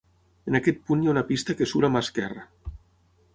En aquest punt hi ha una pista que surt a mà esquerra.